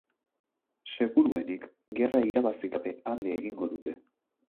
Seguruenik, gerra irabazi gabe alde egingo dute.